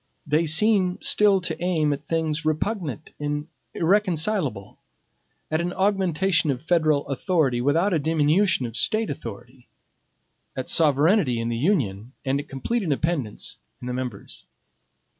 They seem still to aim at things repugnant and irreconcilable; at an augmentation of federal authority, without a diminution of State authority; at sovereignty in the Union, and complete independence in the members.